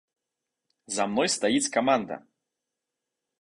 За мной стаіць каманда.